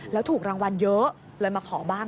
แล้วถูกรางวัลเยอะเลยมาขอบ้าง